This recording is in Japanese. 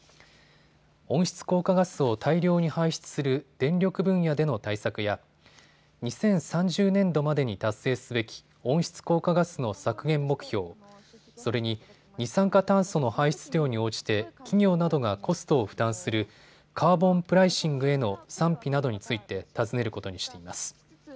温室効果ガスを大量に排出する電力分野での対策や２０３０年度までに達成すべき温室効果ガスの削減目標、それに二酸化炭素の排出量に応じて企業などがコストを負担するカーボン・プライシングへの賛否などについて尋ねることにしています。